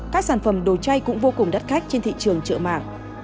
các sản phẩm đồ chơi cũng vô cùng đắt khách trên thị trường chợ mạng